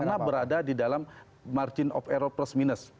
karena berada di dalam margin of error plus minus